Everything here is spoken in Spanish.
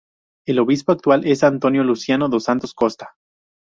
El obispo actual es António Luciano dos Santos Costa.